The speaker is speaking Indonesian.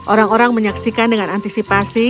orang orang menyaksikan dengan antisipasi